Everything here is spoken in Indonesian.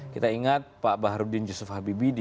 kita ingat pak baharudin yusuf habibie